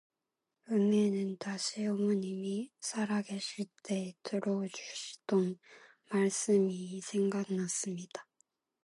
은희는 다시 어머님이 살아계실 때 들려주시던 말씀이 생각났습니다.